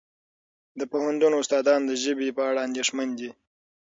د پوهنتون استادان د ژبې په اړه اندېښمن دي.